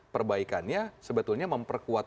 perbaikannya sebetulnya memperkuat